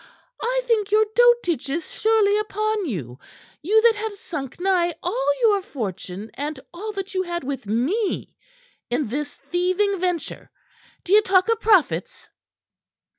I think your dotage is surely upon you you that have sunk nigh all your fortune and all that you had with me in this thieving venture d'ye talk of profits?"